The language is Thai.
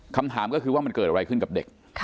คำถามก็คือว่ามันเกิดอะไรขึ้นกับเด็ก